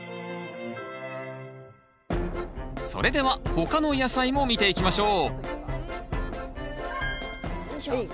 それでは他の野菜も見ていきましょうよいしょ。